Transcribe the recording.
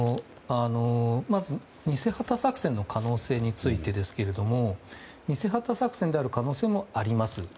まず偽旗作戦の可能性についてですが偽旗作戦である可能性もあります。